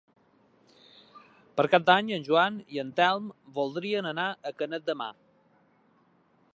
Per Cap d'Any en Joan i en Telm voldrien anar a Canet de Mar.